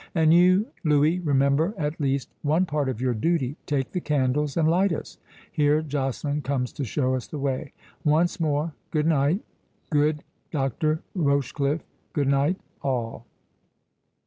—And you, Louis, remember at least one part of your duty—take the candles and light us—here Joceline comes to show us the way. Once more, good night, good Dr. Rochecliffe—good night, all."